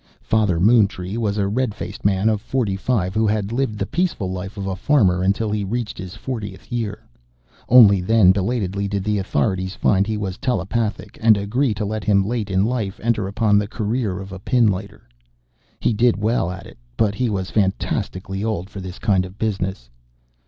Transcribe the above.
Father Moontree was a red faced man of forty five who had lived the peaceful life of a farmer until he reached his fortieth year. Only then, belatedly, did the authorities find he was telepathic and agree to let him late in life enter upon the career of pinlighter. He did well at it, but he was fantastically old for this kind of business.